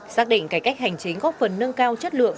xác định cải cách hành chính góp phần nâng cao chất lượng